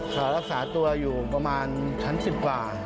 เขารักษาตัวอยู่ประมาณชั้น๑๐กว่า